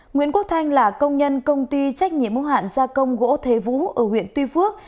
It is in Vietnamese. nguyễn quốc thanh là công nhân công ty trách nhiệm mô hạn gia công gỗ thế vũ ở huyện tuy phước